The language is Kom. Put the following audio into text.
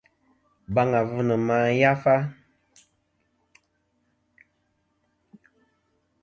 Baŋ avɨ nɨ ma yafa.